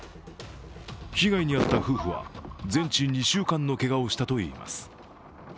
被害に遭った夫婦は全治２週間のけがをしたといいます。